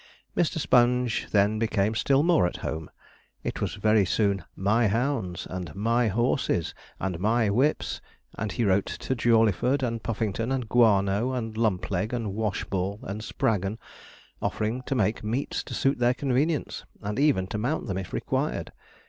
Mr. Sponge then became still more at home. It was very soon 'my hounds,' and 'my horses,' and 'my whips'; and he wrote to Jawleyford, and Puffington, and Guano, and Lumpleg, and Washball, and Spraggon, offering to make meets to suit their convenience, and even to mount them if required.